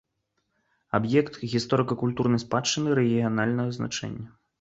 Аб'ект гісторыка-культурнай спадчыны рэгіянальнага значэння.